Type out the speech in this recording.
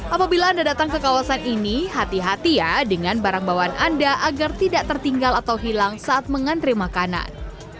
apabila anda datang ke kawasan ini hati hati ya dengan barang bawaan anda agar tidak tertinggal atau hilang saat mengantri makanan